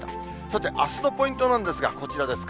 さて、あすのポイントなんですが、こちらです。